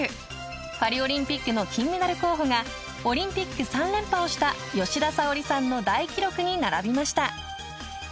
パリオリンピックの金メダル候補がオリンピック３連覇をした吉田沙保里さんの大記録に並びました。